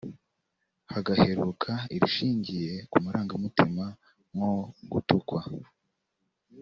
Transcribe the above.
hagaheruka irishingiye ku marangamutima nko gutukwa